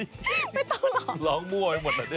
ไม่ต้องร้องร้องมั่วให้หมดเลย